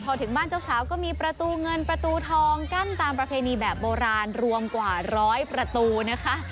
พอถึงบ้านเจ้าสาวก็มีประตูเงินประตูทองกั้นตามประเพณีแบบโบราณรวมกว่าร้อยประตูนะคะ